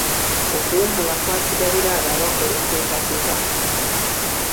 Okuwummula kwasigalira abo abakola enteekateeka mu nsi.